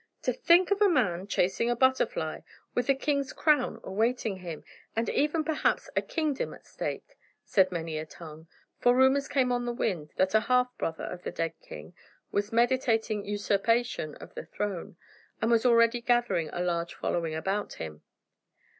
"To think of a man chasing a butterfly with a king's crown awaiting him and even perhaps a kingdom at stake!" said many a tongue for rumors came on the wind that a half brother of the dead king was meditating usurpation of the throne, and was already gathering a large following about him.